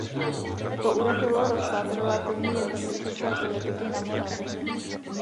To urychlilo rozpad relativní jednoty české politiky na Moravě.